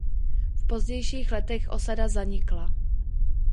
V pozdějších letech osada zanikla.